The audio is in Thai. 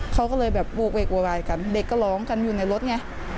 เขาก็เลยแบบโหกเวกโวยวายกันเด็กก็ร้องกันอยู่ในรถไง